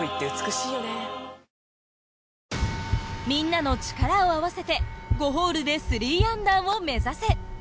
みんなの力を合わせて５ホールで３アンダーを目指せ。